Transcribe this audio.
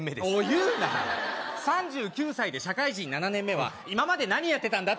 言うな３９歳で社会人７年目は今まで何やってたんだ？